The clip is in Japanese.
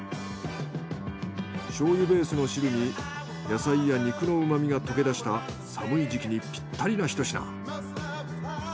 醤油ベースの汁に野菜や肉のうまみが溶け出した寒い時期にピッタリなひと品。